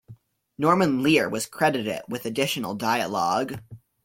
Norman Lear was credited with additional dialogue.